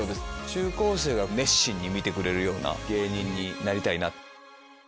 中高生が熱心に見てくれるような芸人になりたいな。